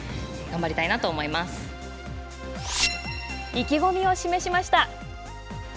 意気込みを示しました。